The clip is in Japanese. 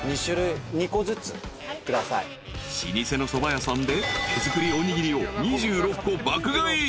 ［老舗のそば屋さんで手作りおにぎりを２６個爆買い］